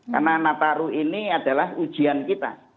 karena nataru ini adalah ujian kita